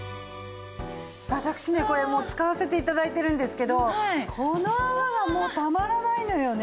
私ねこれ使わせて頂いてるんですけどこの泡がもうたまらないのよね！